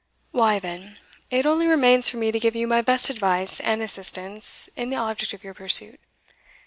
"Why, then, it only remains for me to give you my best advice and assistance in the object of your pursuit.